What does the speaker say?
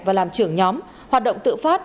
và làm trưởng nhóm hoạt động tự phát